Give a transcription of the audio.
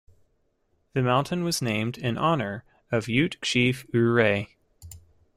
The mountain was named in honor of Ute Chief Ouray.